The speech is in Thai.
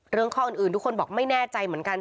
ข้ออื่นทุกคนบอกไม่แน่ใจเหมือนกัน